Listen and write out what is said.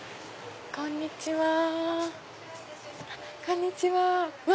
こんにちは！